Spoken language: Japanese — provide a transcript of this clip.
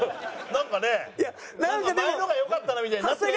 なんかねなんか前の方が良かったなみたいになってない？